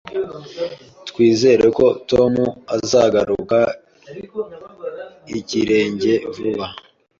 Twizere ko Tom azagaruka ikirenge vuba